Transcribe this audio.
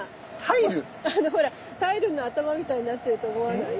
あのほらタイルの頭みたいになってると思わない？